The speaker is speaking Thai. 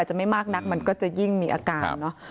อาจจะไม่มากนักมันก็จะยิ่งมีอาการ